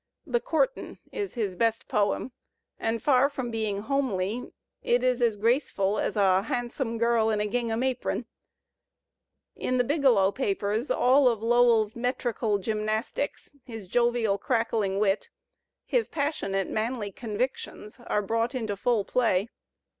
"The Courtin'" is his best poem, and far from being "homely," it is as graceful as a "hahnsome" girl in a gingham apron. In "The Biglow Papers" all Lowell's metrical gymnastics, his jovial, crackling wit, his passionate, manly convictions are brought into full play.